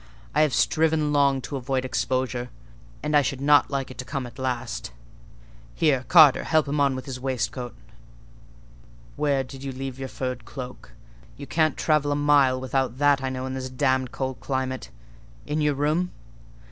I have striven long to avoid exposure, and I should not like it to come at last. Here, Carter, help him on with his waist coat. Where did you leave your furred cloak? You can't travel a mile without that, I know, in this damned cold climate. In your room?